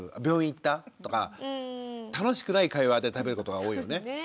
病院行った？」とか楽しくない会話で食べることが多いよね。